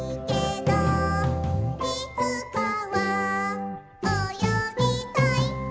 「いつかは泳ぎたい！」